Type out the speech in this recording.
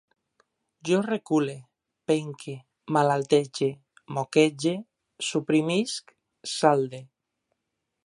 Jo recule, penque, malaltege, moquege, suprimisc, salde